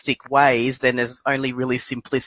maka hanya ada solusi yang sangat simpulis